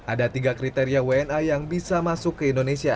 ada tiga kriteria wna yang bisa masuk ke indonesia